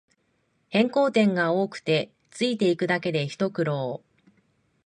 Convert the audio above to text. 変更点が多くてついていくだけでひと苦労